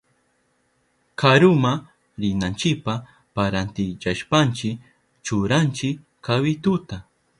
Karuma rinanchipa parantillashpanchi churanchi kawituta.